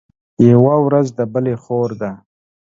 يوه ورځ د بلي خور ده.